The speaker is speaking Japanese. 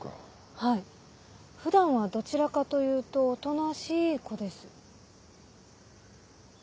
はい普段はどちらかというとおとなしい子です。